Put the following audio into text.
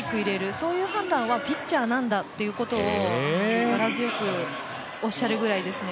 そういう判断はピッチャーなんだということを力強くおっしゃるぐらいですね